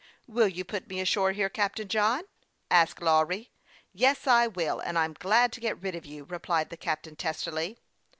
"Will you put me ashore here, Captain John?" asked Lawry. " Yes, I will ; and I'm glad to get rid of you," replied the captain, testily.